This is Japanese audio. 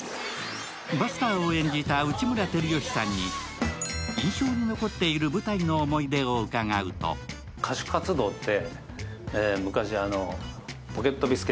バスターを演じた内村光良さんに、印象に残っている舞台の思い出を伺うと笑いと違うんだよね。